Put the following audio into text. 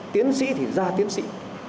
tiến sĩ thì ra tiến sĩ